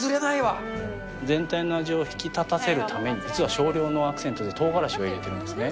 全体の味を引き立たせるために、実は少量のアクセントでとうがらしを入れてるんですね。